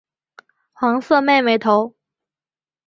黄色妹妹头。